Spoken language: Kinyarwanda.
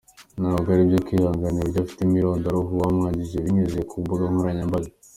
Ntabwo ari ibyo kwihanganira uburyo abifitemo irondaruhu bamwanjamye binyuze ku mbuga nkoranyambaga.